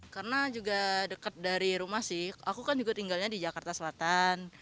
karena juga dekat dari rumah sih aku kan juga tinggalnya di jakarta selatan